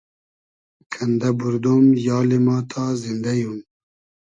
کئندۂ بوردۉم یالی ما تا زیندۂ یوم